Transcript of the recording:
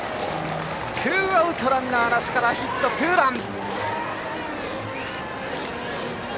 ツーアウトランナーなしからヒット、ツーラン。